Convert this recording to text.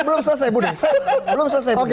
belum selesai budi saya belum selesai budi